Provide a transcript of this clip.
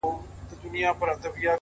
مهرباني د زړونو سختوالی نرموي؛